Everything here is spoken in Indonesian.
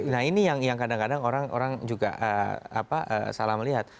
nah ini yang kadang kadang orang juga salah melihat